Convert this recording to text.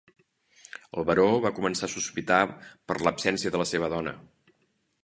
El baró ja comença a sospitar per l'absència de la seva dona.